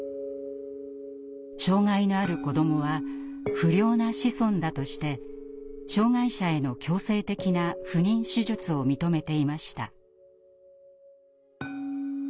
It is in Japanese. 障害のある子どもは「不良な子孫」だとして障害者への強制的な不妊手術を認めていました。